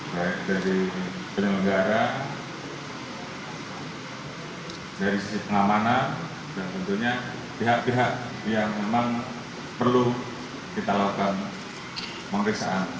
baik dari penyelenggara dari sisi pengamanan dan tentunya pihak pihak yang memang perlu kita lakukan pemeriksaan